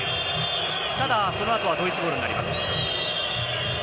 ただその後はドイツボールになります。